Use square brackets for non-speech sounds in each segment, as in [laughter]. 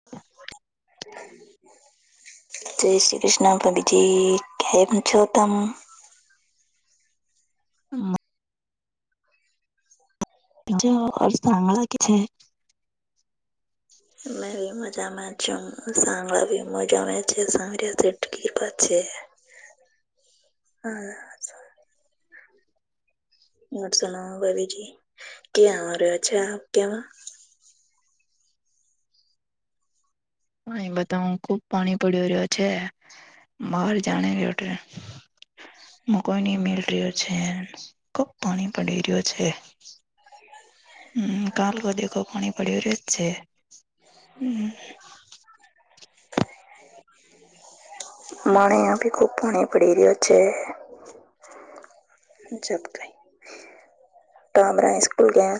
[unintelligible] [inaudible] જય શ્રી કૃષ્ણ ભક્તિ કેમ છો તમે? હા. પજ ચંગલા [inaudible] કે છે. મે ભી મજામાં છ સાંગડા ભી મજામાં છે સાંગ છે. હા. સુના ભાભીજી ક્યા્યોચ્છા [inaudible] આપ ક્યાવા [inaudible] હ બધા ખુબ પાણી પડ્યો રહ્યો છે. માર જાણે અઠે મુ કોઈ ની મેલ રહ્યો છે. ખુબ પાણી પડી રહ્યો છે. [inaudible] હમમ કાલ કો દેખો પાણી પડ્યું રહ્યું છે હમમ. [inaudible] [unintelligible] અમારે અહીંયાભી ખૂબ પાણી પડી રહ્યો છે. જ ક [unintelligible] ઈ ટામરા [inaudible] સ્કૂલ ગયા?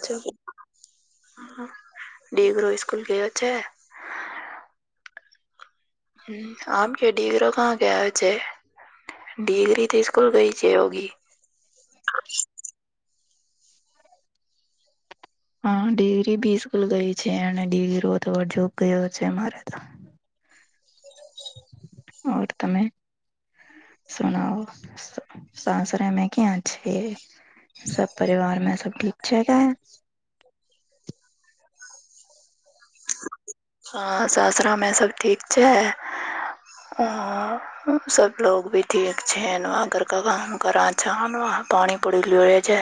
દીકરો સ્કૂલ ગયો છે? હ આમ કે દીકરી કે છે દીકરી સ્કુલ ગઈ છે. હા દીકરી બી સ્કૂલ ગઈ છે અને દીકરો તો જોબ ગયો છે મારે તો. ઓર તમે? સુનાઓ સાસરે મે ક્યાં છે? સબ પરિવાર મે સબ ઠીક છે હૈ? હા સાસરા મે સબ ઠીક છે હા. સબ લોગ ભી ઠીક છે ના ઘર કા કામ કરાજા ના પાણી પડી રહ્યું છે.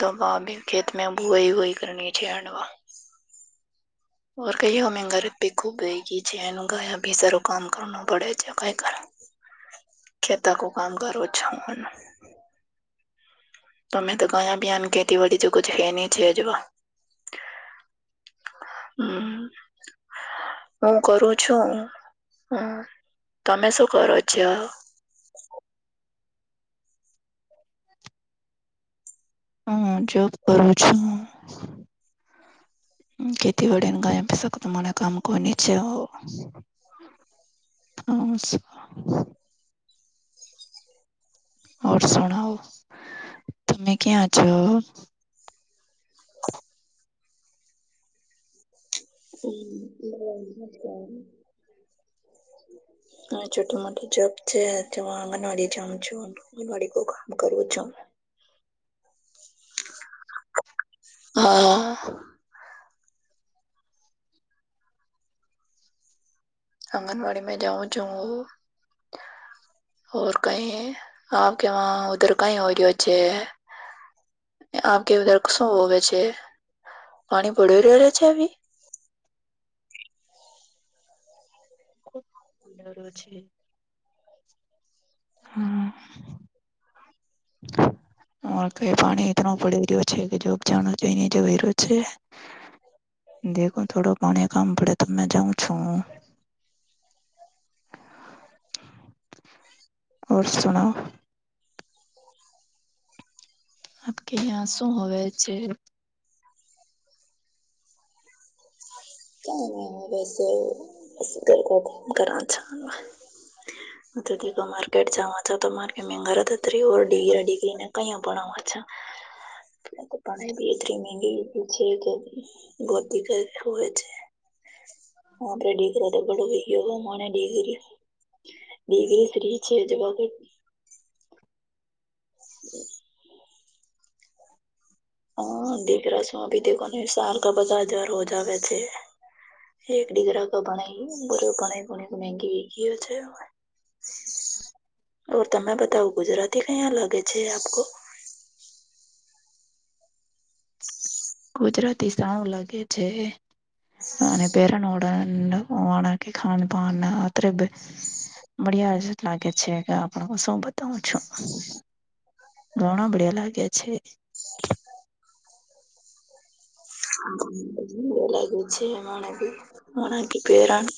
દવા બી ખેતમે બુએ વુઈ કરની છે હેડવા. ઓ કહીઓં ગરત [inaudible] ભ ખૂબ બેગી [unintelligible] છે ગાયા ભી સાર કામ કર પડે છે કઈ [inaudible] ખેતા કો કામ કરું છું હનું. તમે તો ગયા બીન ખેતીવાડી તો હેની છે જોવા હમમ. હું કરું છું. હમમ તમે શું કરો છો? [inaudible] હા જોબ કરું છો? ખેતીવાડી ને ગયા ભી શકો તો મને કામ કો છે હો. [inaudible] ઔર સુનાઓ. તમે ક્યાં છો? હમમ. [unintelligible] હા છોટી મોટી જોબ છે તે આંગણવાડી જાઉ છુ. મારે કો કામ કરવું છે. હા. આંગણવાડીમાં જાઉં છું. ઔર કય આપ કે વહા ઉધર કાય ઓયો છે? આપ કે ઉધર શું હોવે છે. પાણી ભળી રહેલા છે હવી? હમમ. આ વખતે પાણી એટલો પડી રહ્યો છે કે જો જાણ જો રહ્યો છે. દેખો થોડું પાણી કામ પડે તો મેં જાઉં છું. ઓર સુનાઓ [inaudible] ક્યાં શું હવે છે. કા બસ હવે ઘર કા કામ કરું છું હ માર્કેટ જવા છો તો માર્કેટ મે ત્રીિગ્રી ડિગ્રીને કયા ભણાવા છે એટલે તો પણ ભી એતરી મેગીધી છે કે ગતી કર હોય છે હ રેડી કર ભળવી એવ મને ડિગ્રી ડિગ્રી ફ્રી છે જોવા હમ હા દેખ રહ છું અભી દખો નને સાર કા બધા હજાર હોજા વેસે એક ડીકરા કો ભણાઈ બધુ ગને ગી ગી છે [inaudible] ઓ તમે બતાવ ગુજરાતી ક્યા લાગે છે આપકો ગુજરાતી શાવ લાગે છે અને પેરન ઉડ વાળકી ખાનપાન બરોબર મળ્યા આજે જ લાગે છે કે આપણું સોબત તો છું ઘણા બડિયા લાગ્યા છે લાગુ છે એ મને મકી પ્રેરાણ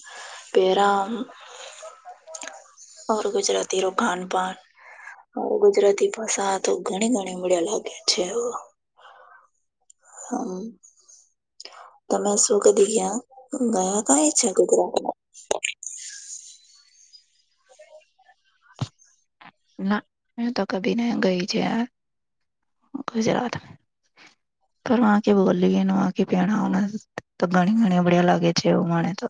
પેરાણ ઓર ગુજરાતીનુ ખાન પાણ હુ ગુજરાતી ભાષા તો ઘણી ગણી બડ્યા લાગ્યા છે હમ્મ તમે શું કહી ગયા ગયા કાઈ છેા ગુજરાતમાં ના મે તો કભી નહી ગઈ છે ગુજરાતમા પણ વા કે બોલીલીએ આ કે પહેણા તો ઘણી ઘણી બડિયા લાગે છે એવું મને તો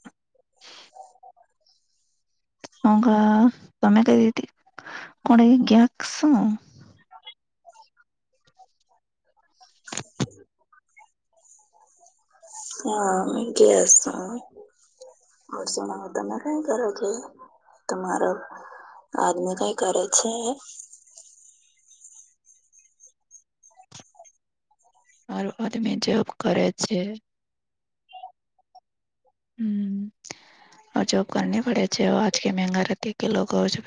[inaudible] [inaudible] હા જે અસા વર્ષોના તમે કા કરો છો તમારો આદમી કઈ કરે છે મારો આદમી જોબ કરે છે જોબ કર પડે છે આજ કે મંગા રતે કે લોક [unintelligible]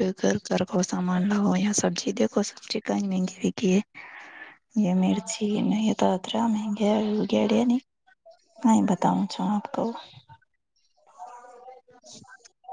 ચિકન મેિગવી કે યે મિર્ચી ન તતરા મગેડિયા ની કઈ બતાઉ છું આપકો [unintelligible]